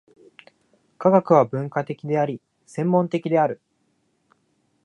科学は分科的であり、専門的である。